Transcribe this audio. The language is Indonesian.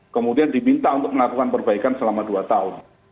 kemudian diminta untuk melakukan perbaikan selama dua tahun